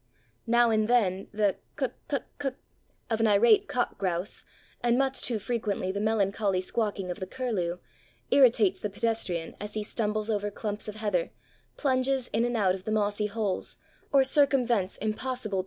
Now and then the "kuk kuk kuk" of an irate cock grouse, and much too frequently the melancholy squawking of the curlew, irritates the pedestrian as he stumbles over clumps of heather, plunges in and out of the mossy holes, or circumvents impossible peat haggs.